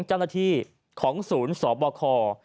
เจ้าหน้าที่ของศูนย์สบค